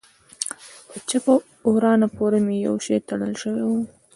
په چپ ورانه پورې مې يو شى تړل سوى و.